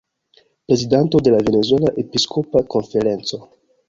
Prezidanto de la "Venezuela Episkopa Konferenco".